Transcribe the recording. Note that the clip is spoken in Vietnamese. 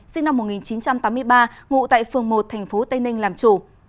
sinh năm một nghìn chín trăm tám mươi ba ngụ tại phường một tp tây ninh làm chủ